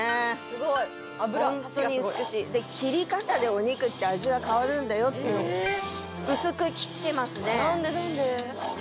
ホントに美しい切り方でお肉って味は変わるんだよっていうのを薄く切ってますね何で？何で？